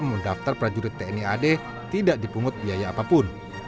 mendaftar prajurit tni ad tidak dipungut biaya apapun